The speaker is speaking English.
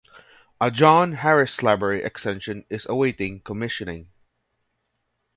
A John Harris Library extension is awaiting commissioning.